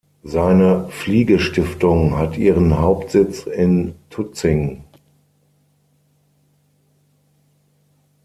Seine Fliege-Stiftung hat ihren Hauptsitz in Tutzing.